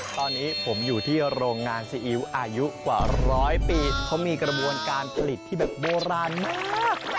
ตอนนี้ผมอยู่ที่โรงงานซีอิ๊วอายุกว่าร้อยปีเขามีกระบวนการผลิตที่แบบโบราณมาก